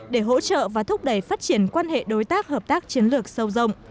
để hỗ trợ và thúc đẩy phát triển quan hệ đối tác hợp tác chiến lược sâu rộng